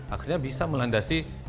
akhirnya bisa melandasi